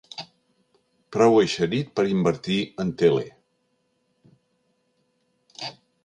Prou eixerit per invertir en tele.